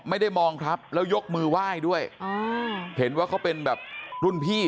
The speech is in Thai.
ไม่ได้มองครับแล้วยกมือไหว้ด้วยอ๋อเห็นว่าเขาเป็นแบบรุ่นพี่